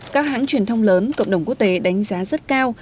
các hãng truyền thông lớn cộng đồng quốc tế đánh giá rất cao